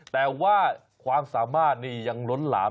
แต่ว่าความสามารถนี่ยังล้นหลาม